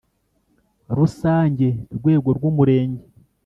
rusange rwego rw Umurenge